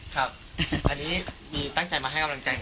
ครับอันนี้มีตั้งใจมาให้กำลังใจ